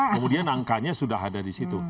kemudian angkanya sudah ada di situ